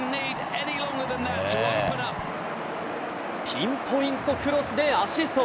ピンポイントクロスでアシスト。